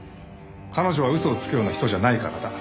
彼女は嘘をつくような人じゃないからだ。